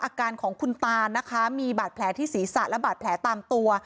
อาการของคุณตานะคะมีบาดแผลที่ศีรษะและบาดแผลตามตัว